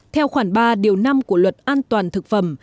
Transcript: theo khoản ba điều năm của luật an toàn thực phẩm